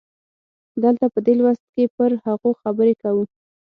دلته په دې لوست کې پر هغو خبرې کوو.